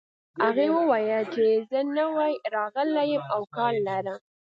هغې وویل چې زه نوی راغلې یم او کار لرم